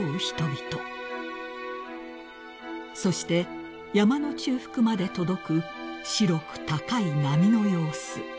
［そして山の中腹まで届く白く高い波の様子］